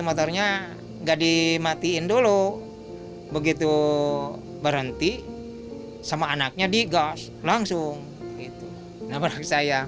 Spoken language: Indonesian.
motornya gak dimatiin dulu begitu berhenti sama anaknya digas langsung itu nabrak saya